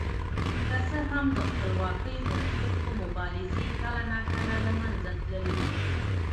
که څه هم د خپلواکۍ غوښتونکو مبارزې کله ناکله له منځه تللې.